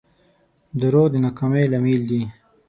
دروغ د ناکامۍ لامل دي.